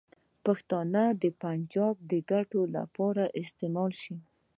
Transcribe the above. پښتانه به د پنجاب د ګټو لپاره استعمال شي.